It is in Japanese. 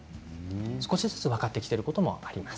少しずつ分かってきていることもあります。